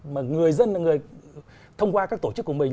mà người dân thông qua các tổ chức của mình